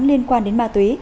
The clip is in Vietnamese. liên quan đến ma túy